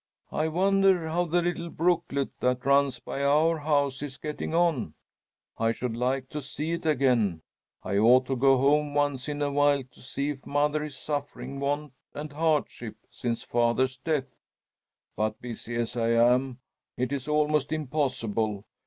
"I wonder how the little brooklet that runs by our house is getting on? I should like to see it again. I ought to go home once in a while, to see if mother is suffering want and hardship since father's death. But busy as I am, it is almost impossible.